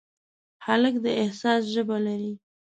هلک د احساس ژبه لري.